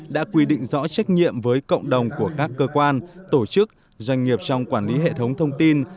đã quy định rõ trách nhiệm với cộng đồng của các cơ quan tổ chức doanh nghiệp trong quản lý hệ thống thông tin